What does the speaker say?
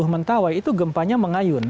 mentawai itu gempanya mengayun